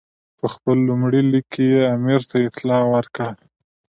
په خپل لومړي لیک کې یې امیر ته اطلاع ورکړه.